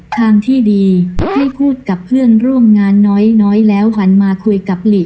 ทางที่ดีให้พูดกับเพื่อนร่วมงานน้อยแล้วหันมาคุยกับหลี